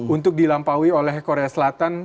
untuk dilampaui oleh korea selatan